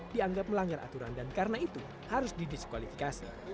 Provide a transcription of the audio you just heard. dianggap melanggar aturan dan karena itu harus didiskualifikasi